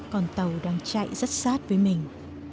con tàu đang chạy rất sát với mình